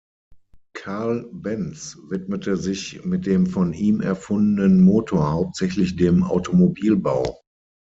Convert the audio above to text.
Carl Benz widmete sich mit dem von ihm erfundenen Motor hauptsächlich dem Automobilbau.